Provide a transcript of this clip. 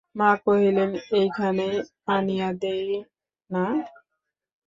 মা কহিলেন, এইখানেই আনিয়া দিই না?